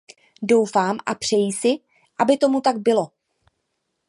Doufám a přeji si, aby tomu tak bylo.